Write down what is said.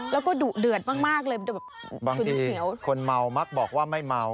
แล้วก็ดุเดือดมากเลยบางทีคนเมามักบอกว่าไม่เมา